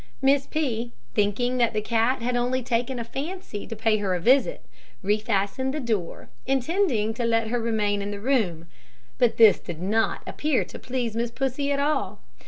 Miss P , thinking that the cat had only taken a fancy to pay her a visit, refastened the door, intending to let her remain in the room; but this did not appear to please Pussy at all.